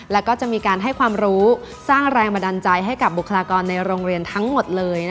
แล้วก็จะมีการให้ความรู้สร้างแรงบันดาลใจให้กับบุคลากรในโรงเรียนทั้งหมดเลย